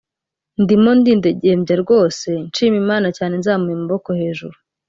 ndimo ndidegembwa rwose nshima Imana cyane nzamuye amaboko hejuru”